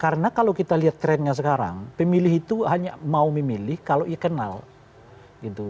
karena kalau kita lihat trendnya sekarang pemilih itu hanya mau memilih kalau ya kenal gitu